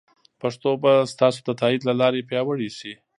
پښتو به ستاسو د تایید له لارې پیاوړې شي.